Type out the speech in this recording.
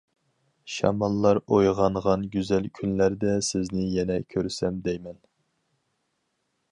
شاماللار ئويغانغان گۈزەل كۈنلەردە سىزنى يەنە كۆرسەم دەيمەن.